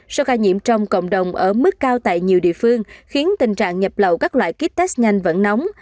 sau ca nhiễm trong cộng đồng ở mức cao tại nhiều địa phương khiến tình trạng nhập lậu các loại kit test nhanh vẫn nóng